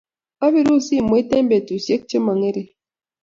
apirun simoit eng betushek che mo ngerink.